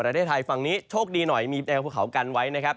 ประเทศไทยฝั่งนี้โชคดีหน่อยมีแนวภูเขากันไว้นะครับ